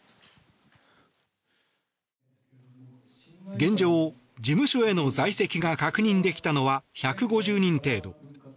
現状、事務所への在籍が確認できたのは１５０人程度。